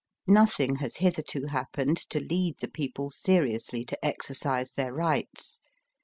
Nothing has hitherto happened to lead the people seriously to exer cise their rights.